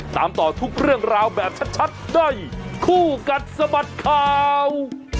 ตามต่อทุกเรื่องราวแบบชัดได้คู่กัดสะบัดข่าว